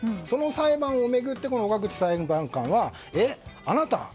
その裁判を巡って岡口裁判官はえ？あなた？